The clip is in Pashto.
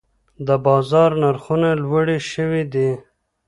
د بازار نرخونه لوړې شوي دي.